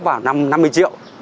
bảo năm mươi triệu